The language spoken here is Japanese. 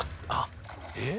えっ？